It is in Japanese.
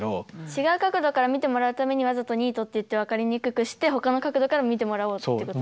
違う角度から見てもらうためにわざとニートって言って分かりにくくしてほかの角度から見てもらおうってこと？